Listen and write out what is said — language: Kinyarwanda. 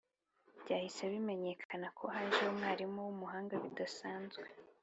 byahise bimenyekana ko haje umwarimu w' umuhanga bidasanzwe.